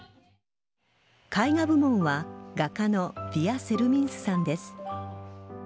絵画部門は画家のヴィヤ・セルミンスさんです。